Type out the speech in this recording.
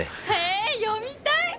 えー読みたい！